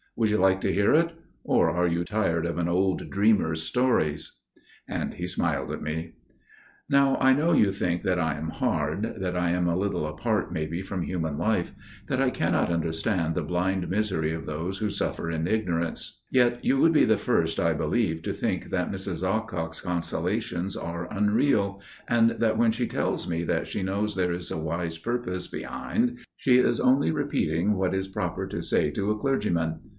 Would you like to hear it? Or are you tired of an old dreamer's stories?" and he smiled at me. "Now I know you think that I am hard––that I am a little apart maybe from human life––that I cannot understand the blind misery of those who suffer in ignorance; yet you would be the first, I believe, to think that Mrs. Awcock's consolations are unreal, and that when she tells me that she knows there is a wise purpose behind, she is only repeating what is proper to say to a clergyman.